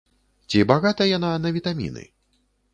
Ці багата яна на вітаміны?